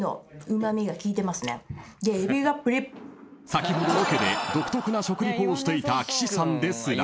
［先ほどロケで独特な食リポをしていた岸さんですら］